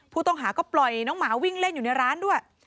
ผู้ต้องหาก็ปล่อยน้องหมาวิ่งเล่นอยู่ในร้านด้วย